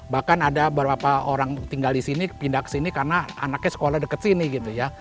bahkan ada beberapa orang tinggal disini pindah kesini karena anaknya sekolah dekat sini gitu ya